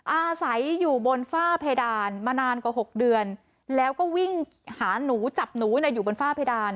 อาศัยอยู่บนฝ้าเพดานมานานกว่า๖เดือนแล้วก็วิ่งหาหนูจับหนูอยู่บนฝ้าเพดาน